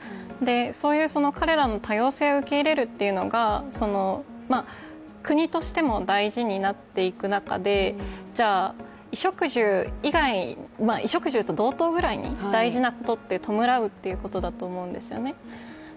そういう彼らの多様性を受け入れるというのが国としても大事になっていく中で、衣食住と同等ぐらいに大事なことって弔うということだと思うんですね。